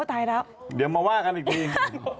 อายเดมมันว่ากันอีกนิดนึง